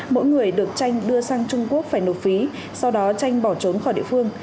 mỗi người được tranh đưa sang trung quốc phải nộp phí sau đó tranh bỏ trốn khỏi địa phương